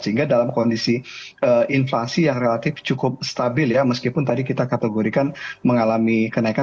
sehingga dalam kondisi inflasi yang relatif cukup stabil ya meskipun tadi kita kategorikan mengalami kenaikan